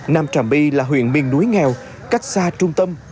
nam trà my là huyện miền núi nghèo cách xa trung tâm